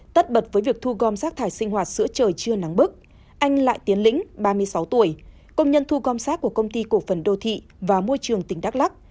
tất bật với việc thu gom rác thải sinh hoạt sữa trời chưa nắng bức anh lại tiến lĩnh ba mươi sáu tuổi công nhân thu gom rác của công ty cổ phần đô thị và môi trường tỉnh đắk lắc